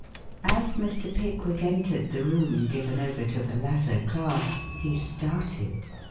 As Mr. Pickwick entered the room given over to the latter class, he started.